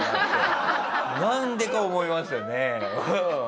なんでか思いますよね。